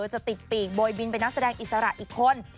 จะติดปีกโบยบินเป็นนักแสดงอิสระอีกคน